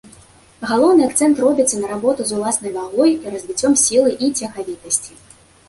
Галоўны акцэнт робіцца на работу з уласнай вагой і развіццём сілы і цягавітасці.